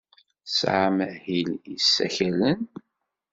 Tesɛam ahil n yisakalen?